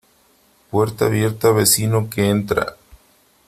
Puerta abierta, vecino que entra.